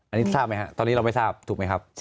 อันนี้ทราบไหมครับตอนนี้เราไม่ทราบถูกไหมครับ